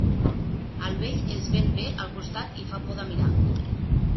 El vell és ben bé al costat i fa por de mirar.